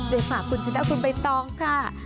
โดยฝากคุณสินาคุณไปต้องค่ะ